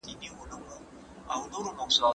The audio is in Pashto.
¬ وږي ته ماښام ليري دئ.